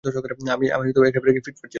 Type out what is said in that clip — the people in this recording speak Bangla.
আমি একেবারে ফিটফাট ছিলাম।